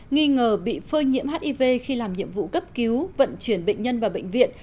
nghi ngờ bị phơi nhiễm hiv khi làm nhiệm vụ cấp cứu vận chuyển bệnh nhân vào bệnh viện